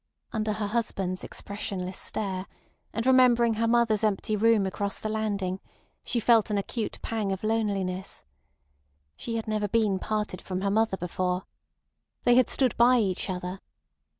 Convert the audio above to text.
Under her husband's expressionless stare, and remembering her mother's empty room across the landing, she felt an acute pang of loneliness. She had never been parted from her mother before. They had stood by each other.